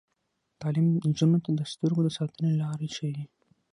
تعلیم نجونو ته د سترګو د ساتنې لارې ښيي.